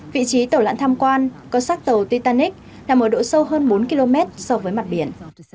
vị trí tàu lãn tham quan có sát tàu titanic nằm ở độ sâu hơn bốn km so với mặt biển